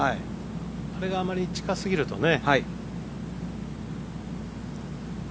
それがあまり近すぎるとね。